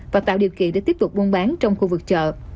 và tạo điều kiện để tiếp tục buôn bán trong khu vực chợ